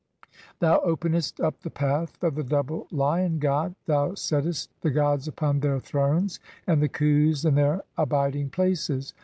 Thou "openest up the path of the double Lion god, thou settest the "(15) gods upon [their] thrones, and the Khus in their abiding "places.